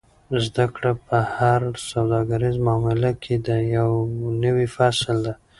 زده کړه په هره سوداګریزه معامله کې یو نوی فصل دی.